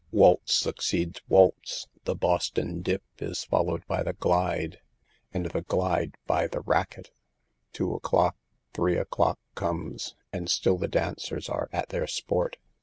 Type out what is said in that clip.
Waltz succeeds waltz ; the " Boston dip " is followed by the " glide," and the "glide" by the " racket." Two o'clock, three o'clock comes, and still the dancers are at their sport.